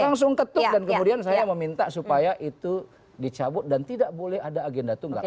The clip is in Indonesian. langsung ketuk dan kemudian saya meminta supaya itu dicabut dan tidak boleh ada agenda tunggal